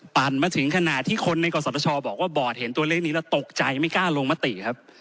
มาถึงขณะที่คนในกศชบอกว่าบอร์ดเห็นตัวเลขนี้แล้วตกใจไม่กล้าลงมติครับ